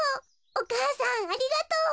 お母さんありがとう。